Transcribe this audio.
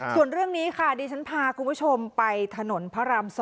ส่วนเรื่องนี้ค่ะดิฉันพาคุณผู้ชมไปถนนพระราม๒